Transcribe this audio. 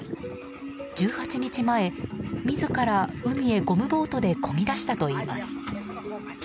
１８日前、自ら海へゴムボートでこぎ出したといいます。